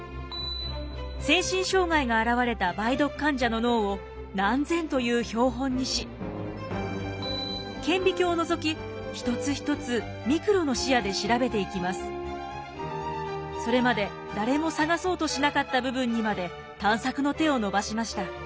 精神障害が現れた梅毒患者の脳を何千という標本にし顕微鏡をのぞきそれまで誰も探そうとしなかった部分にまで探索の手を伸ばしました。